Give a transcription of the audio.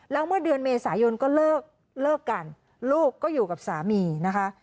แล้วเมื่อเดือนเมษายนก็เลิกกันลูกก็อยู่กับสามีนะคะ